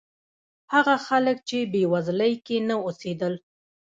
هغه خلک چې بېوزلۍ کې نه اوسېدل.